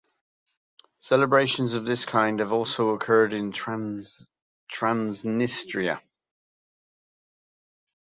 Celebrations of this kind have also occurred in Transnistria.